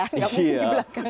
gak mungkin di belakang